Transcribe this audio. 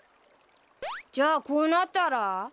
じゃあこうなったら？